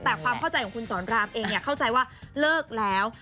แต่ความเข้าใจของคุณสอนรามเองเข้าใจว่าเลิกแล้ว